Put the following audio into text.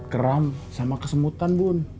keram sama kesemutan bun